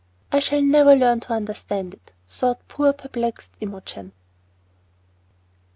"I shall never learn to understand it," thought poor perplexed Imogen.